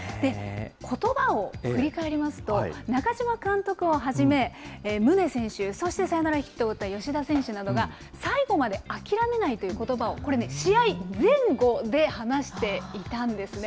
ことばを振り返りますと、中嶋監督をはじめ、宗選手、そしてサヨナラヒットを打った吉田選手などが、最後まで諦めないということばを、これね、試合前後で話していたんですね。